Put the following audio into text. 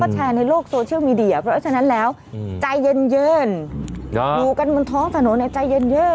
แชร์ในโลกโซเชียลมีเดียเพราะฉะนั้นแล้วใจเย็นอยู่กันบนท้องถนนในใจเย็นเยอะ